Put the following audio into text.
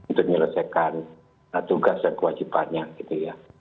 untuk menyelesaikan tugas dan kewajibannya gitu ya